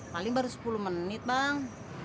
paling baru sepuluh menit bang